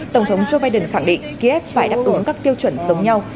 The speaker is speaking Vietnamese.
tổng thống joe biden khẳng định kiev phải đáp ứng các tiêu chuẩn giống nhau